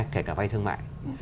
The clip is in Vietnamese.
kể cả vay thương mại